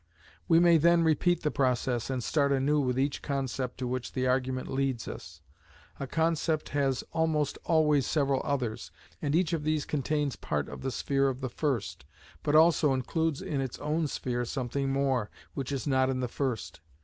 We may then repeat the process, and start anew with each concept to which the argument leads us. A concept has almost always several others, which partially come under it, and each of these contains part of the sphere of the first, but also includes in its own sphere something more, which is not in the first.